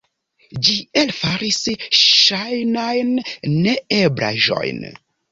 Ĝi elfaris ŝajnajn neeblaĵojn.